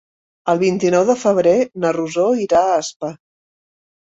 El vint-i-nou de febrer na Rosó irà a Aspa.